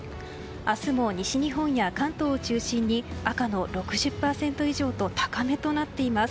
明日も西日本や関東を中心に赤の６０％以上と高めとなっています。